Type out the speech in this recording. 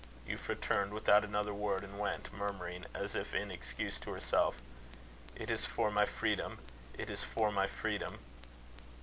Euphra turned without another word, and went; murmuring, as if in excuse to herself: "It is for my freedom. It is for my freedom."